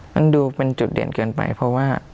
มันดูเป็นจุดเด่นเกินไปเพราะว่า